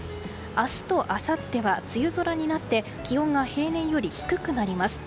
明日とあさっては梅雨空になって気温が平年より低くなります。